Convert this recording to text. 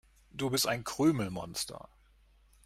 Du bist ein Krümelmonster.